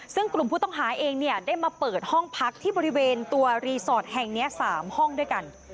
ซึ่งกลุ่มผู้ต้องหาเองเนี่ยได้มาเปิดห้องพักที่บริเวณตัวรีสอร์ทแห่งนี้๓ห้องด้วยกัน